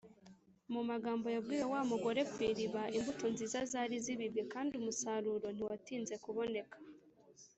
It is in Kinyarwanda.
Mu magambo yabwiwe wa mugore kw’iriba, imbuto nziza zari zibibwe, kandi umusaruro ntiwatinze kuboneka